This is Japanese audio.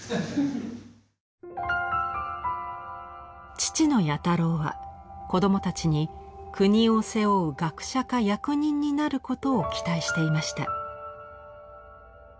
父の弥太郎は子どもたちに国を背負う学者か役人になることを期待していました。